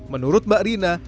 menurut mbak rina